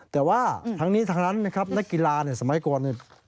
แต่ว่าทั้งนี้ทั้งนั้นนะครับนักกีฬาสมัยก่อน